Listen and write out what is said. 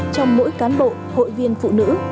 trong mỗi cán bộ hội viên phụ nữ